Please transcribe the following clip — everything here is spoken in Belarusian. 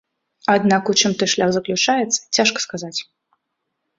Аднак у чым той шлях заключаецца, цяжка сказаць.